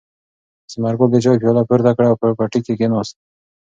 ثمرګل د چای پیاله پورته کړه او په پټي کې کېناست.